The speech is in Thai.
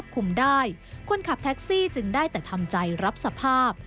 คุมได้คนขับแท็กซี่จึงได้แต่ทำใจรับสภาพ